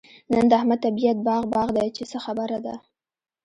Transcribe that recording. نن د احمد طبيعت باغ باغ دی؛ چې څه خبره ده؟